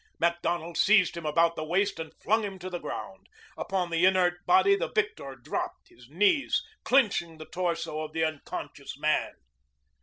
Macdonald seized him about the waist and flung him to the ground. Upon the inert body the victor dropped, his knees clinching the torso of the unconscious man.